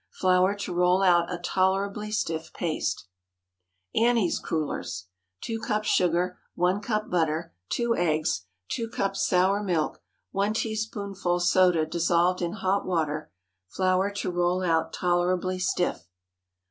Flour to roll out a tolerably stiff paste. ANNIE'S CRULLERS. 2 cups sugar. 1 cup butter. 2 eggs. 2 cups sour milk. 1 teaspoonful soda dissolved in hot water. Flour to roll out tolerably stiff.